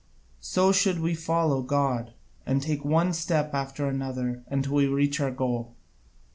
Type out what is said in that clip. So should we follow God, and take one step after another until we reach our goal.